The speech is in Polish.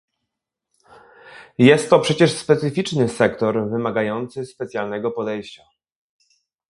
Jest to przecież specyficzny sektor, wymagający specjalnego podejścia